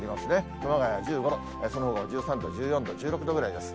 熊谷１５度、そのほかも１３度、１４度、１６度ぐらいです。